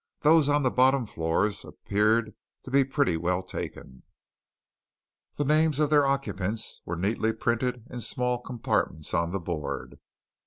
Those on the bottom floors appeared to be pretty well taken; the names of their occupants were neatly painted in small compartments on the board.